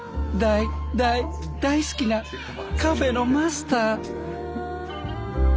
大大大好きなカフェのマスター。